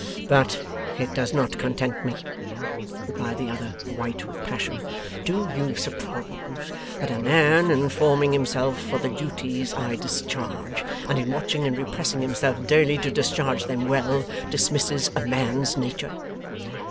'But it does not content me,' replied the other, white with passion. 'Do you suppose that a man, in forming himself for the duties I discharge, and in watching and repressing himself daily to discharge them well, dismisses a man's nature?